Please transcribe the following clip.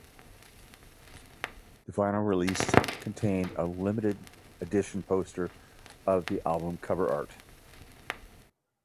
The vinyl released contained a Limited Edition poster of the album cover art.